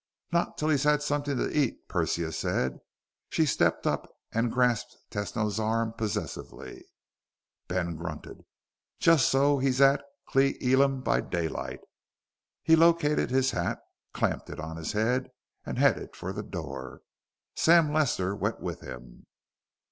"Not till he's had something to eat!" Persia said. She stepped up and grasped Tesno's arm possessively. Ben grunted. "Just so he's at Cle Elum by daylight." He located his hat, clamped it on his head, and headed for the door. Sam Lester went with him.